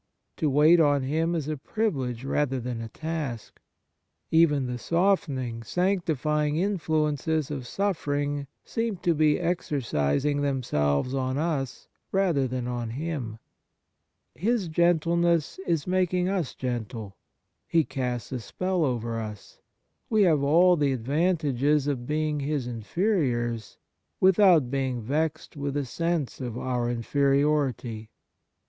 To wait on him is a privilege rather than a task. Even the softening, sancti fying influences of suffering seem to be exercising themselves on us rather than on him. His gentleness is making us gentle. He casts a spell over us. We have all the advantages of being his inferiors without being vexed with a sense of our inferiority.